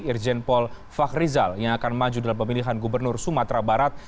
irjen paul fahrizal yang akan maju dalam pemilihan gubernur sumatera barat